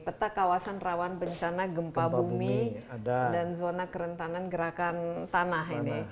peta kawasan rawan bencana gempa bumi dan zona kerentanan gerakan tanah ini